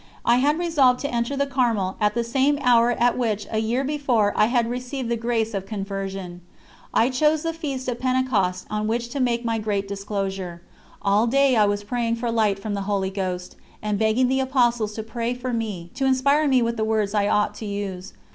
I had resolved to enter the Carmel at the same hour at which a year before I had received the grace of conversion. I chose the feast of Pentecost on which to make my great disclosure. All day I was praying for light from the Holy Ghost, and begging the Apostles to pray for me, to inspire me with the words I ought to use.